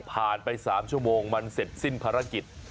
ผ่านไป๓ชั่วโมงมันเสร็จสิ้นภารกิจ